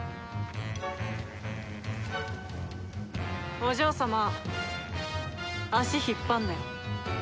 お嬢様足引っ張んなよ。